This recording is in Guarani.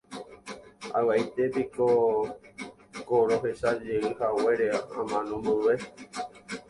avy'aite piko ko rohechajeyhaguére amano mboyve.